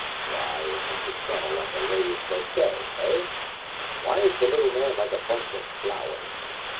Why is Mr. Trunnell like a lady's bouquet, hey? Why is the little man like a bunch of flowers?